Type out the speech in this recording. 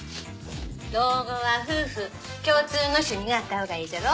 老後は夫婦共通の趣味があったほうがええじゃろ。